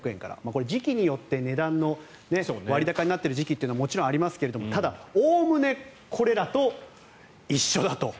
これ、時期によって値段の割高になっている時期はもちろんありますがただ、概ねこれらと一緒だと。